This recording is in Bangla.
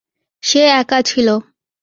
সে একা ছিল।